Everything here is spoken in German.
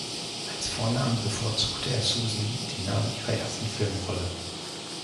Als Vornamen bevorzugte er Susan, den Namen ihrer ersten Filmrolle.